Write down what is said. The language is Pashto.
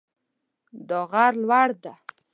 دا غر لوړ ده